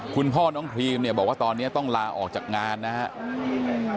คุณพ่อน้องครีมเนี่ยบอกว่าตอนนี้ต้องลาออกจากงานนะครับ